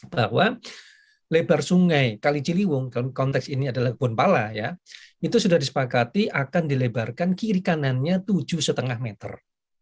bahwa lebar sungai kali ciliwung konteks ini adalah kebonpala ya itu sudah disepakati akan dilebarkan kiri kanannya tujuh lima meter